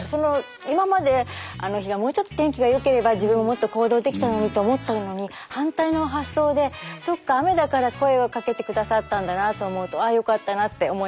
今まであの日がもうちょっと天気が良ければ自分ももっと行動できたのにと思ったのに反対の発想でそっか雨だから声を掛けて下さったんだなと思うとああ良かったなって思いました。